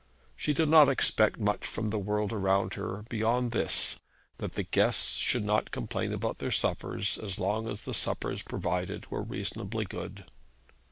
She did not expect much from the world around her, beyond this, that the guests should not complain about their suppers as long as the suppers provided were reasonably good.